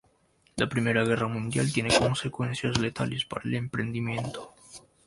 La Primera Guerra Mundial tiene consecuencias letales para el emprendimiento.